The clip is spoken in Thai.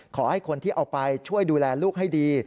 ขอให้คนที่เอาไปช่วยดูแลลูกให้ดี